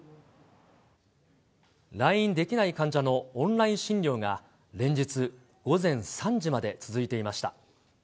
来院できない患者のオンライン診療が連日、午前３時まで続いていました。